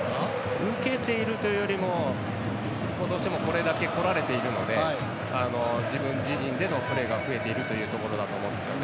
受けているというよりもどうしてもこれだけこられているので自陣でのプレーが増えているというところだと思うんですよね。